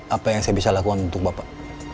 apa yang saya bisa lakukan untuk bapak